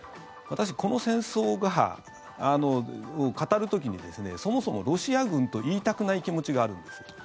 私、この戦争を語る時にそもそもロシア軍と言いたくない気持ちがあるんです。